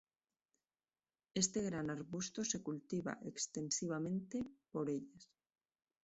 Este gran arbusto se cultiva extensivamente por ellas.